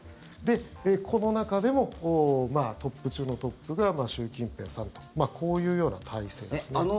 この中でもトップ中のトップが習近平さんとこういうような体制ですね。